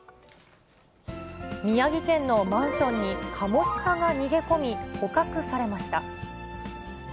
宮城県のマンションに、カモシカが逃げ込み、捕獲されました。